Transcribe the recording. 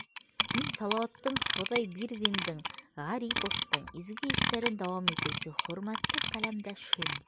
Һин Салауаттың, Хоҙайбирҙиндың, Ғариповтың изге эштәрен дауам итеүсе, хөрмәтле ҡәләмдәшем!